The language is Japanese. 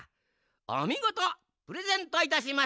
おみごとプレゼントいたします。